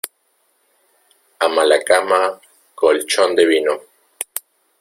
A mala cama, colchón de vino.